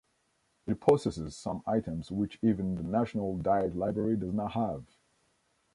It possesses some items which even the National Diet Library does not have.